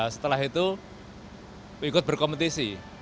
setelah itu ikut berkompetisi